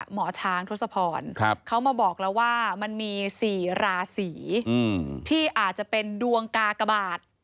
หมอช้างทศพรเขามาบอกแล้วว่ามันมี๔ราศีที่อาจจะเป็นดวงกากบาท